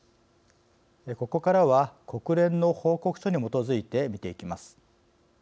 ここからは国連の報告書に基づいて見ていきます。